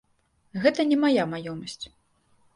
Гэта не мая маёмасць.